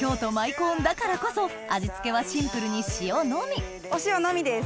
コーンだからこそ味付けはシンプルに塩のみお塩のみです。